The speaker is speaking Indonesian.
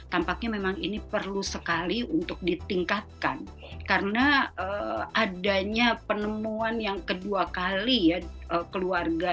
tampaknya memang ini perlu sekali untuk ditingkatkan karena adanya penemuan yang kedua kali ya keluarga